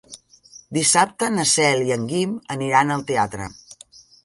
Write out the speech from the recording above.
Dissabte na Cel i en Guim aniran al teatre.